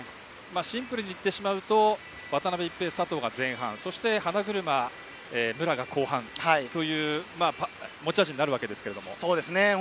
シンプルに言ってしまうと渡辺一平、佐藤が前半そして花車、武良が後半という持ち味になるわけですけれども。